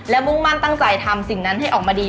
และมุ่งมั่นตั้งใจทำสิ่งนั้นให้ออกมาดี